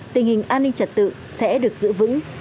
tình hình an ninh trật tự sẽ được giữ vững